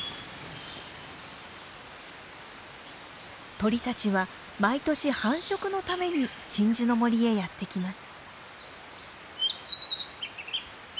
鳥たちは毎年繁殖のために鎮守の森へやって来ます。